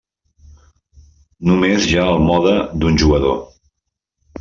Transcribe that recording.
Només hi ha el mode d'un jugador.